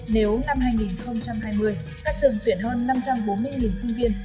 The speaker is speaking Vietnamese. nếu năm hai nghìn hai mươi các trường tuyển hơn năm trăm bốn mươi sinh viên